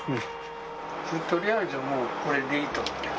取りあえずもうこれでいいと思ってる。